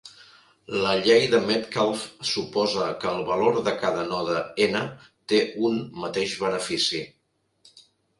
La llei de Metcalfe suposa que el valor de cada node n té un mateix benefici.